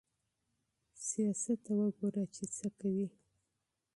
سياست ته وګوره چې څه کوي.